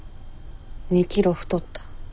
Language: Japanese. ２キロ太った。